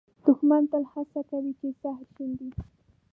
دښمن تل هڅه کوي چې زهر شیندي